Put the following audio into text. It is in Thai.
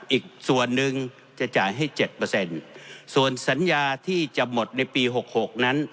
อีกส่วนหนึ่งจะจ่ายให้เจ็ดเปอร์เซ็นต์ส่วนสัญญาที่จะหมดในปีหกหกนั้น